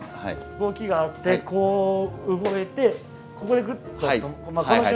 動きがあってこう動いてここでグッと止まる。